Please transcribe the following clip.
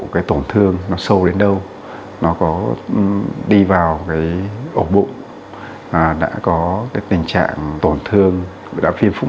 cái tổn thương nó sâu đến đâu nó có đi vào cái ổ bụng và đã có cái tình trạng tổn thương đã phi phúc